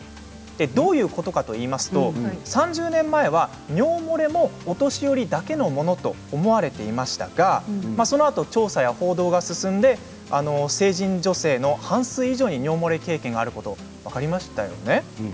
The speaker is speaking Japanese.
どういうことかと言いますと３０年前は尿もれもお年寄りだけのものと思われていましたがそのあと、調査や報道が進んで成人女性の半数以上に尿もれ経験があることが分かりましたよね。